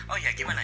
oh ya gimana